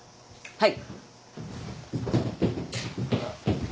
はい。